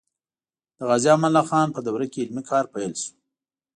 د غازي امان الله خان په دوره کې علمي کار پیل شو.